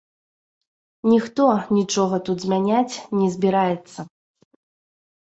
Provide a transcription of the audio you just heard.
Ніхто нічога тут змяняць не збіраецца.